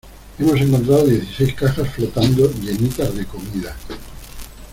hemos encontrado dieciséis cajas flotando llenitas de comida.